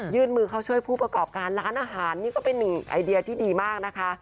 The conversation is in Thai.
มือเข้าช่วยผู้ประกอบการร้านอาหารนี่ก็เป็นหนึ่งไอเดียที่ดีมากนะคะ